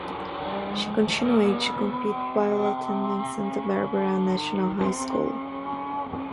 She continued to compete while attending Santa Barbara National High School.